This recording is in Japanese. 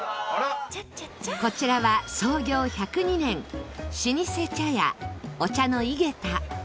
こちらは、創業１０２年老舗茶屋、お茶の井ヶ田